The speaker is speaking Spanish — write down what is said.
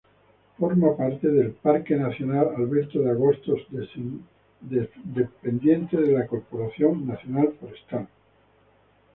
Forma parte del Parque nacional Alberto de Agostini dependiente de la Corporación Nacional Forestal.